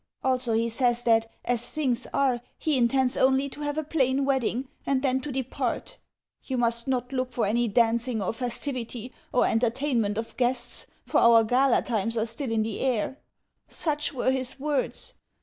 Also, he says that, as things are, he intends only to have a plain wedding, and then to depart. "You must not look for any dancing or festivity or entertainment of guests, for our gala times are still in the air." Such were his words.